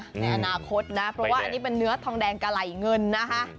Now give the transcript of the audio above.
ในอนาคตนะเพราะว่าอันนี้เป็นเนื้อทองแดงกะไหล่เงินนะคะ